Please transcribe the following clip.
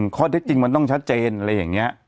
ข้อเท็จจริงมันต้องชัดเจนอะไรอย่างนี้